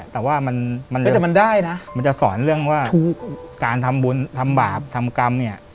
แต่ว่ามันได้นะมันจะสอนเรื่องว่าการทำบุญทำบาปทำกรรมเนี่ย